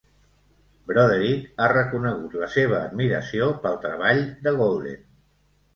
Broderick ha reconegut la seva admiració pel treball de Golden.